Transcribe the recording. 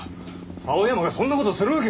青山がそんな事するわけ！